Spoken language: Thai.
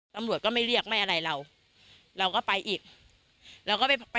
ตำรวจก็ไม่เรียกแบบอะไรเราเราก็ไปอีก